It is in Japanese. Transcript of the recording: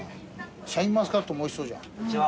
シャインマスカットもおいしそうじゃん。